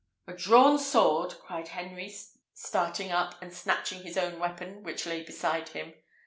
"A drawn sword!" cried Henry, starting up, and snatching his own weapon, which lay beside him.